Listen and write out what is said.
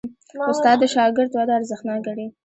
استاد د شاګرد وده ارزښتناک ګڼي.